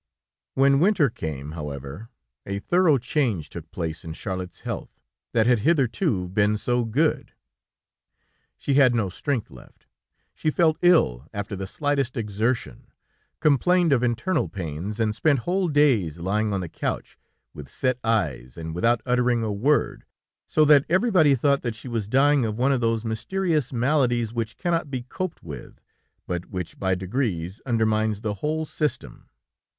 When winter came, however, a thorough change took place in Charlotte's health, that had hitherto been so good. She had no strength left, she felt ill after the slightest exertion, complained of internal pains, and spent whole days lying on the couch, with set eyes and without uttering a word, so that everybody thought that she was dying of one of those mysterious maladies which cannot be coped with, but which, by degrees, undermines the whole system.